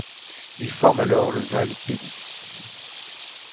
Il forme alors le val Pellice.